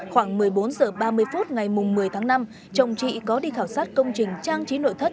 khoảng một mươi bốn h ba mươi phút ngày một mươi tháng năm chồng chị có đi khảo sát công trình trang trí nội thất